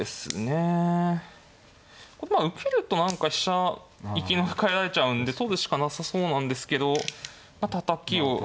これまあ受けると何か飛車生き返られちゃうんで取るしかなさそうなんですけどまあたたきを。